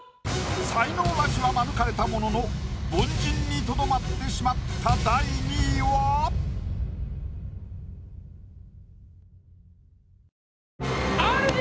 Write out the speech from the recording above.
才能ナシは免れたものの凡人にとどまってしまった第２位は⁉ＲＧ！